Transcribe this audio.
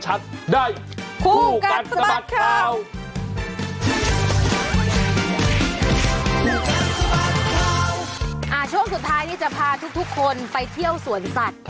ช่วงสุดท้ายนี้จะพาทุกคนไปเที่ยวสวนสัตว์